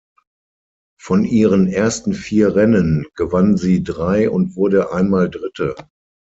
Von ihren ersten vier Rennen gewann sie drei und wurde einmal Dritte.